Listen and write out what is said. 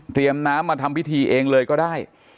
น้ำมาทำพิธีเองเลยก็ได้